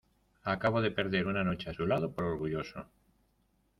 acabo de perder una noche a su lado por orgulloso.